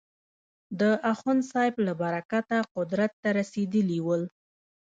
د اخوندصاحب له برکته قدرت ته رسېدلي ول.